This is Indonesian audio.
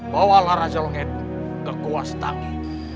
bawalah rajulangit ke kuastangi